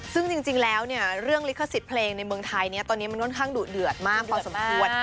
ซึ่งจริงแล้วเนี่ยเรื่องลิขสิทธิ์เพลงในเมืองไทยตอนนี้มันค่อนข้างดุเดือดมากพอสมควร